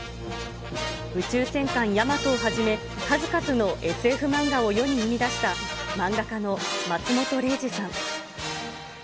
宇宙戦艦ヤマトをはじめ、数々のＳＦ漫画を世に生み出した漫画家の松本零士さん。